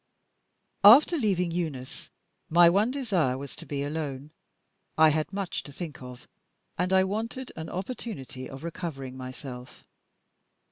After leaving Eunice, my one desire was to be alone. I had much to think of, and I wanted an opportunity of recovering myself.